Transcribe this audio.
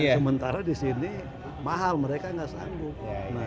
sementara di sini mahal mereka nggak sanggup